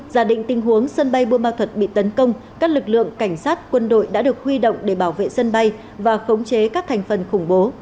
giả định tình huống sân bay bô ma thuật bị tấn công các lực lượng cảnh sát quân đội đã được huy động để bảo vệ sân bay và khống chế các thành phần khủng bố